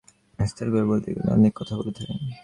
বিস্তার করিয়া বলিতে গেলে অনেক কথা বলিতে হয়।